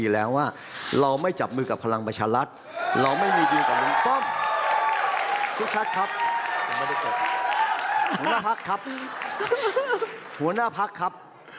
หัวหน้าพักครับ